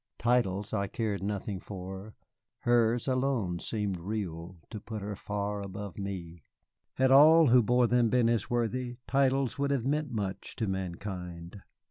Titles I cared nothing for. Hers alone seemed real, to put her far above me. Had all who bore them been as worthy, titles would have meant much to mankind.